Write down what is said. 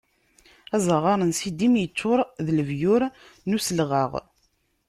Azaɣar n Sidim iččuṛ d lebyur n uselɣaɣ.